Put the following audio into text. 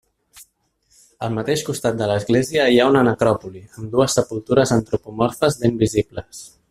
Al mateix costat de l'església hi ha una necròpoli, amb dues sepultures antropomorfes ben visibles.